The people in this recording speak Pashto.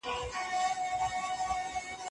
کوچنی د انساني ژوند یو لوی نعمت دی.